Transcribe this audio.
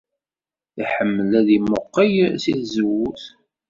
Iḥemmel ad yemmuqqel seg tzewwut.